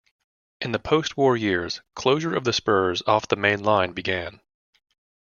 In the post-war years, closure of the spurs off the main line began.